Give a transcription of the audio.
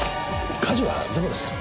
火事はどこですか？